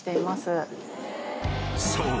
［そう！